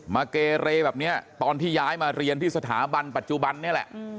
เกเรแบบนี้ตอนที่ย้ายมาเรียนที่สถาบันปัจจุบันนี่แหละ